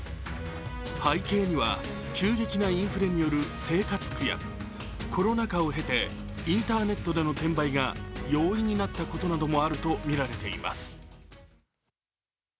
背景には急激なインフレによる生活苦やコロナ禍を経てインターネットでの転売が容易になったことなどもあるとみられています。